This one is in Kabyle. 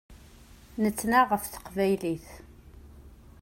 Nettnaɣ ɣef teqbaylit.